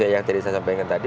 yang tadi saya sampaikan tadi